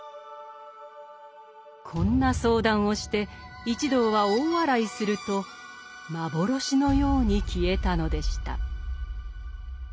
こんな相談をして一同は大笑いすると幻のように消えたのでした。